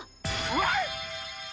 ワン！